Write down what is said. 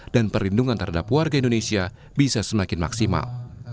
dan perlindungan terhadap warga indonesia bisa semakin maksimal